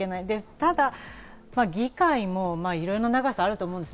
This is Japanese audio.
ただ議会もいろんな長さがあると思うんです。